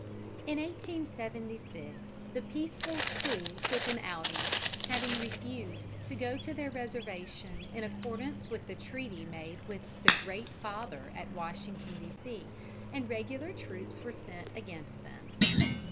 In 1876 the peaceful Sioux took an outing, having refused to go to their reservation in accordance with the treaty made with the Great Father at Washington, D. C., and regular troops were sent against them.